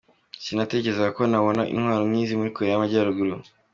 “Si natekerezaga ko nabona intwaro nkizi muri Koreya y’Amajyaruguru.”